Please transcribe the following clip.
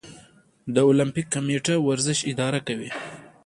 د المپیک کمیټه ورزش اداره کوي